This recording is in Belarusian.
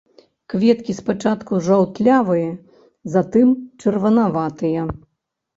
Кветкі спачатку жаўтлявыя, затым чырванаватыя.